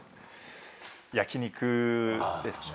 焼き肉ですね。